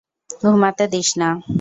ঘুমাতে দিস না।